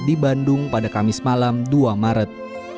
di bandung pada kamis malam dua maret